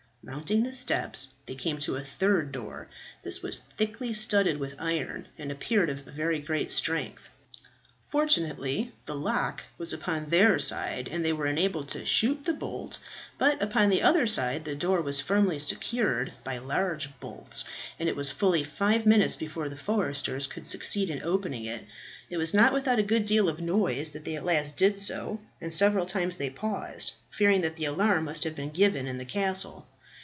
Mounting the steps, they came to a third door; this was thickly studded with iron, and appeared of very great strength. Fortunately the lock was upon their side, and they were enabled to shoot the bolt; but upon the other side the door was firmly secured by large bolts, and it was fully five minutes before the foresters could succeed in opening it. It was not without a good deal of noise that they at last did so; and several times they paused, fearing that the alarm must have been given in the castle.